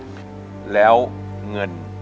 ขอบคุณครับ